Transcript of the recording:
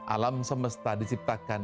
alam semesta diciptakan